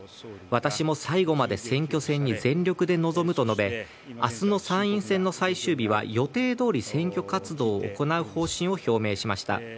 私も最後まで選挙戦に全力で臨むと述べ明日の参院選の最終日は予定どおり選挙活動を行う方針を表明しました。